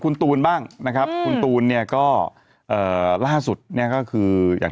คุณตูนบ้างนะครับคุณตูนเนี่ยก็เอ่อล่าสุดเนี่ยก็คืออย่าง